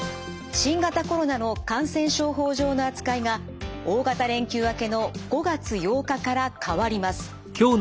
新型コロナの感染症法上の扱いが大型連休明けの５月８日から変わります。